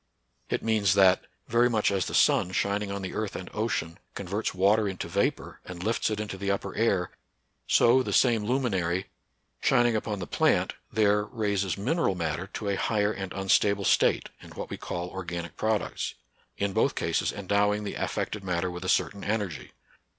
It means that, very much as the sun, shining on the earth and ocean, converts water into vapor and lifts it into the upper air, so the same luminary, shining upon the plant, there raises mineral matter to a higher and unstable state, in what we call organic products, — in both cases endowing the affected matter with a certain energy.